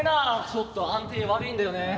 ちょっと安定悪いんだよね。